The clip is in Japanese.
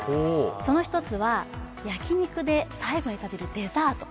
その一つは、焼き肉で最後に食べるデザート